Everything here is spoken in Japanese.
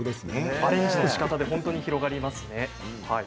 アレンジのしかたが広がりますね。